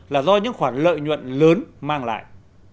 là do những khoản lợi nhuận lớn mang lại